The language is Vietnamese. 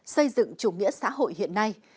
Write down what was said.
xây dựng chủ nghĩa xã hội hiện nay